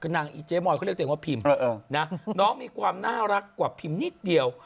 นางอีเจ๊มอยเขาเรียกตัวเองว่าพิมน้องมีความน่ารักกว่าพิมพ์นิดเดียว